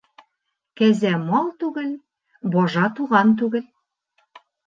Кәзә мал түгел, бажа туған түгел.